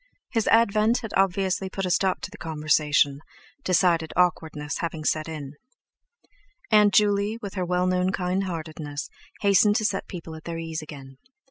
His advent had obviously put a stop to the conversation, decided awkwardness having set in. Aunt Juley, with her well known kindheartedness, hastened to set people at their ease again.